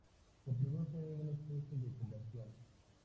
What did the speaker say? Se produce una especie de conversión.